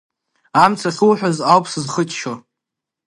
Амц ахьуҳәаз ауп сызхыччо.